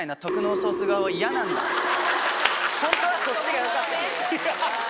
ホントはそっちがよかったんだ。